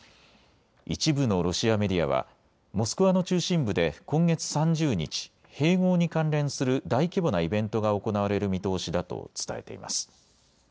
一部のロシアメディアはモスクワの中心部で今月３０日、併合に関連する大規模なイベントが行われる見通しだと伝えています。